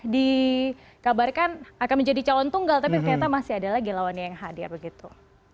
dikabarkan akan menjadi calon tunggal tapi ternyata masih ada lagi lawannya yang hadir begitu